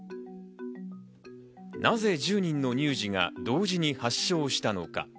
なぜ１０人の乳児が同時に発症したのか。